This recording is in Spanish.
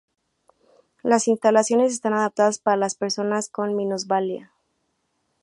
Las instalaciones están adaptadas para las personas con minusvalía.